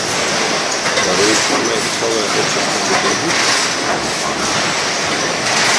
Да вы самое веселое общество Петербурга,— сказала Анна.